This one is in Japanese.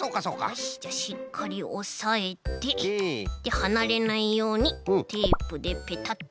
よしじゃしっかりおさえてではなれないようにテープでペタッとして。